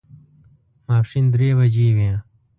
ماسپښین درې بجې وې.